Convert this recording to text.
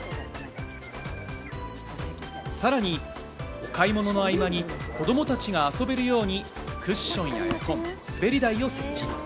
さらに、買い物の合間に子供たちが遊べるようにクッションやすべり台を設置。